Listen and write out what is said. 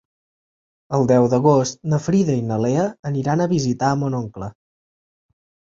El deu d'agost na Frida i na Lea aniran a visitar mon oncle.